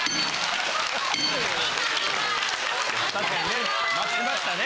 ・確かにね待ちましたね・